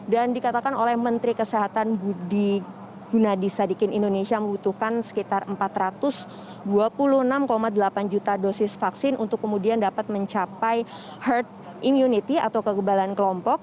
dan dikatakan oleh menteri kesehatan budi gunadisadikin indonesia membutuhkan sekitar empat ratus dua puluh enam delapan juta dosis vaksin untuk kemudian dapat mencapai herd immunity atau kegebalan kelompok